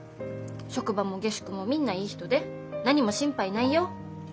職場も下宿もみんないい人で何も心配ないよ。